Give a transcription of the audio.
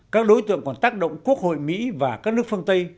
các đối tượng còn tác động quốc hội mỹ và các nước phương tây